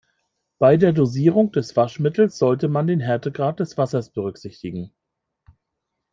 Bei der Dosierung des Waschmittels sollte man den Härtegrad des Wassers berücksichtigen.